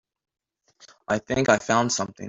I think I found something.